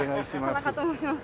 田中と申します。